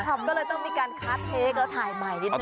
ก็เลยต้องมีการคัดเทกแล้วถ่ายใหม่นิดนึ